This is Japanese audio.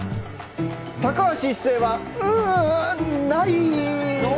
「高橋一生は○○ない」。